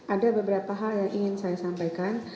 ada beberapa hal yang ingin saya sampaikan